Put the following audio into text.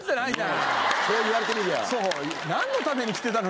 そう言われてみりゃ。